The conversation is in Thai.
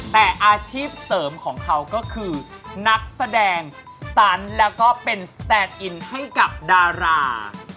แต่อาชีพเสริมของเขาก็คือนักแสดงตันแล้วก็เป็นสแตนอินให้กับดารา